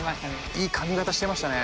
いい髪形してましたね。